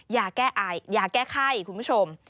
อย่าแก้อายอย่าแก้ไข้คุณผู้ชม